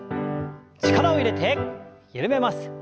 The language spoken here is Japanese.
力を入れて緩めます。